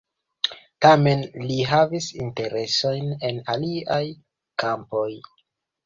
Tamen, li havis interesojn en aliaj kampoj.